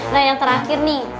nah yang terakhir nih